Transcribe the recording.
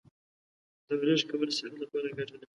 د ورزش کول صحت لپاره ګټه لري.